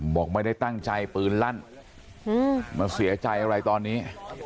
บอกไม่ได้ตั้งใจปืนลั่นมาเสียใจอะไรตอนนี้